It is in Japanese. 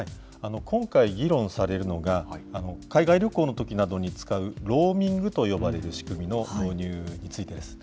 今回議論されるのが、海外旅行のときなどに使うローミングと呼ばれる仕組みの導入についてです。